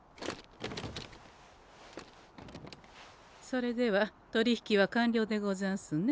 それでは取り引きは完了でござんすね。